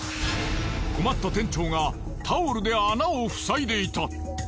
困った店長がタオルで穴をふさいでいた。